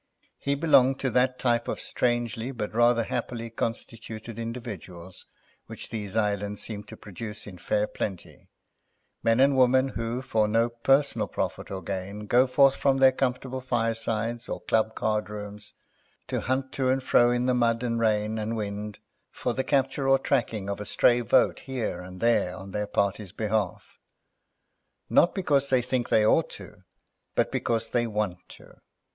He belonged to that type of strangely but rather happily constituted individuals which these islands seem to produce in a fair plenty; men and women who for no personal profit or gain go forth from their comfortable firesides or club card rooms to hunt to and fro in the mud and rain and wind for the capture or tracking of a stray vote here and there on their party's behalf—not because they think they ought to, but because they want to.